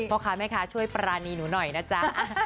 พ่อค้าแม่ค้าช่วยปรานีหนูหน่อยนะจ๊ะ